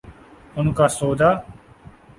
ان کا سودا؟